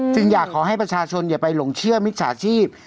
อยากขอให้ประชาชนอย่าไปหลงเชื่อมิจฉาชีพ